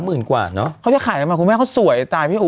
มืนกว่าเนอะเค้าจะขายมาคุณแม่เค้าสวยแตุ่บเค้า